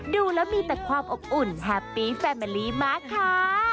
ดูแล้วมีแต่ความอบอุ่นแฮปปี้แฟเมอรี่มากค่ะ